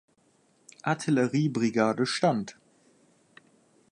Artilleriebrigade stand.